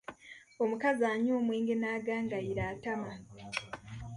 Omukazi anywa omwenge n’agangayira atama.